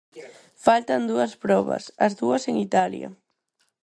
Faltan dúas probas, as dúas en Italia.